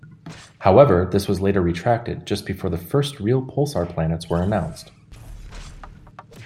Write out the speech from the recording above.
However, this was later retracted, just before the first real pulsar planets were announced.